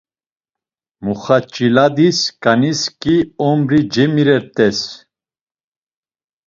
Muxaç̌iladis ǩanisǩi ombri cemiret̆es.